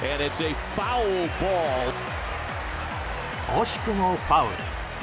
惜しくもファウル。